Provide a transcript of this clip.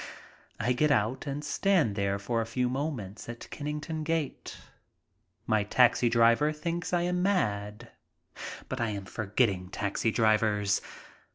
I get out and stand there for a few moments at Kenning ton Gate. My taxi driver thinks I am mad. But I am for getting taxi drivers.